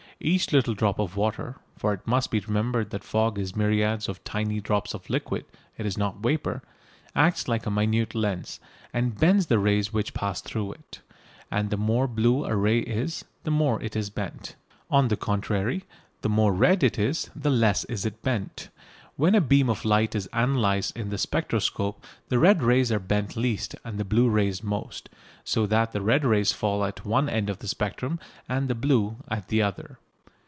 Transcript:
Each little drop of water (for it must be remembered that fog is myriads of tiny drops of liquid; it is not vapour) acts like a minute lens, and bends the rays which pass through it. And the more blue a ray is the more it is bent. On the contrary, the more red it is the less is it bent. When a beam of light is analysed in the spectroscope the red rays are bent least and the blue rays most, so that the red rays fall at one end of the spectrum and the blue at the other.